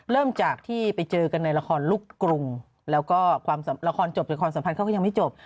เริ่มจากที่ไปเจอกันในละครลูกกรุงแล้วก็ความละครจบแต่ความสัมพันธ์เขาก็ยังไม่จบ